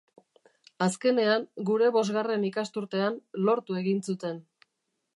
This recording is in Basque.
Azkenean, gure bosgarren ikasturtean, lortu egin zuten.